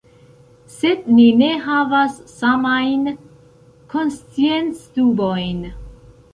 Sed ni ne havas samajn konsciencdubojn.